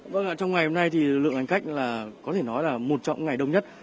vâng ạ trong ngày hôm nay thì lượng hành khách có thể nói là một trong ngày đông nhất